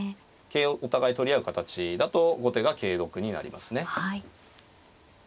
桂をお互い取り合う形だと後手が桂得になりますね。